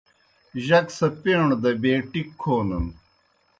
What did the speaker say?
جک سہ پیݨوْ دہ بیے ٹِکیْ کھونَن۔